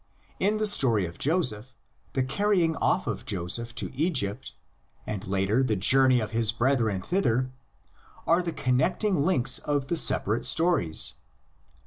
In the story of Joseph the carrying off of Joseph to Egypt, and later the journey of his brethren thither, are the connecting links of the separate stories.